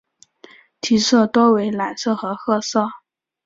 体色多为蓝色和褐色。